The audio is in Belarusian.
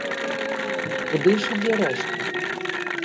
Куды ж ідзе рэшта?